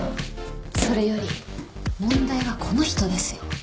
それより問題はこの人ですよ。